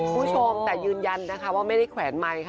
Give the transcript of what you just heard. คุณผู้ชมแต่ยืนยันนะคะว่าไม่ได้แขวนไมค์ค่ะ